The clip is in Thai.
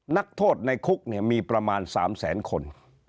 นักโทษในคุกเนี่ยมีประมาณ๓แสนคน